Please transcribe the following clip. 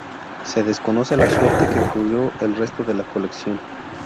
Se desconoce la suerte que corrió el resto de la colección.